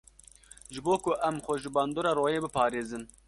Ji bo ku em xwe ji bandora royê biparêzin.